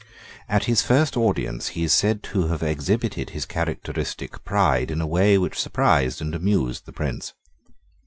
At his first audience he is said to have exhibited his characteristic pride in a way which surprised and amused the Prince.